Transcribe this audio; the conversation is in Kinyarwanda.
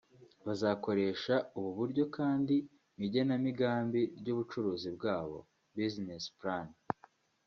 Bazakoresha ubu buryo kandi mu igenamigambi ry’ubucuruzi bwabo (business plan)”